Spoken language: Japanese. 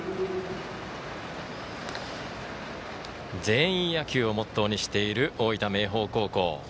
全員野球をモットーにしている大分、明豊高校。